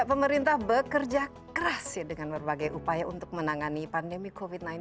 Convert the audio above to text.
pemerintah bekerja keras dengan berbagai upaya untuk menangani pandemi covid sembilan belas